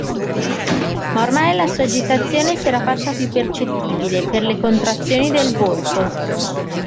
Ma ormai la sua agitazione si era fatta piú percettibile per le contrazioni del volto.